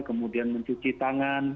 kemudian mencuci tangan